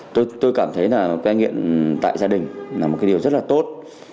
tôi cảm thấy là cái nghiện tại gia đình là một điều rất là tốt